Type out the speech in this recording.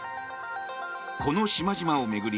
この島々を巡り